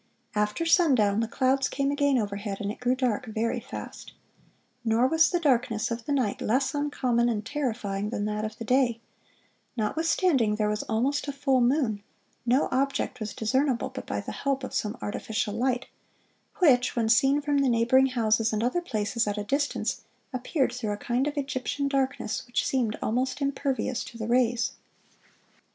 "After sundown, the clouds came again overhead, and it grew dark very fast." "Nor was the darkness of the night less uncommon and terrifying than that of the day; notwithstanding there was almost a full moon, no object was discernible but by the help of some artificial light, which, when seen from the neighboring houses and other places at a distance, appeared through a kind of Egyptian darkness which seemed almost impervious to the rays."